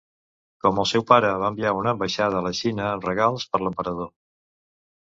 Com el seu pare va enviar una ambaixada a la Xina amb regals per l'emperador.